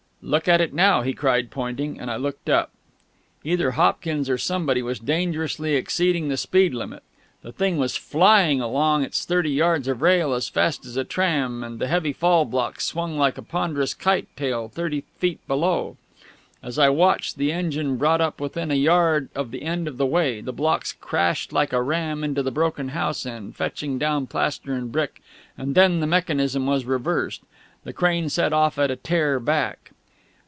"Look at it now!" he cried, pointing; and I looked up. Either Hopkins or somebody was dangerously exceeding the speed limit. The thing was flying along its thirty yards of rail as fast as a tram, and the heavy fall blocks swung like a ponderous kite tail, thirty feet below. As I watched, the engine brought up within a yard of the end of the way, the blocks crashed like a ram into the broken house end, fetching down plaster and brick, and then the mechanism was reversed. The crane set off at a tear back.